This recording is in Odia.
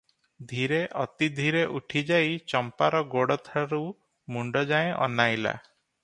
ଧୀରେ, ଅତି ଧୀରେ ଉଠିଯାଇ ଚମ୍ପାର ଗୋଡ଼ଠାରୁ ମୁଣ୍ତ ଯାଏ ଅନାଇଲା ।